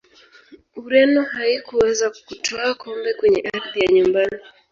ureno haikuweza kutwaa kombe kwenye ardhi ya nyumbani